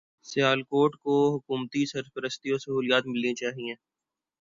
سیالکوٹ کو حکومتی سرپرستی و سہولیات ملنی چاہیے